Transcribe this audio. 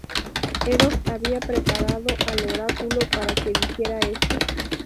Eros había preparado al oráculo para que dijera esto.